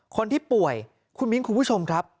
คนที่ป่วยคุณมิ้นคุณผู้ชมครับ